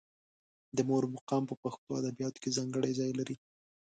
د مور مقام په پښتو ادبیاتو کې ځانګړی ځای لري.